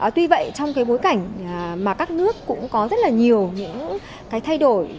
tuy vậy trong bối cảnh các nước cũng có rất nhiều thay đổi